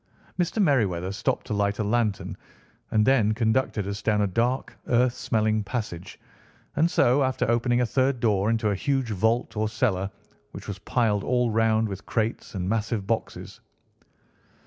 Mr. Merryweather stopped to light a lantern, and then conducted us down a dark, earth smelling passage, and so, after opening a third door, into a huge vault or cellar, which was piled all round with crates and massive boxes.